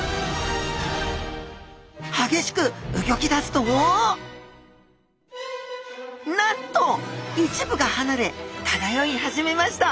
激しくうギョき出すとなんと一部がはなれ漂い始めました！